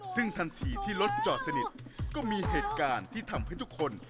ซึ่งทันทีที่รถจอดสนิทก็มีเหตุการณ์ที่ทำให้ทุกคน